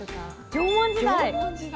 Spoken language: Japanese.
縄文時代？